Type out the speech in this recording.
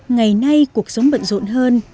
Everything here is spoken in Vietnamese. ngày nay cuộc sống bận rộn hơn